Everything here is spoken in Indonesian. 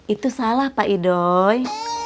itu salah pak idoy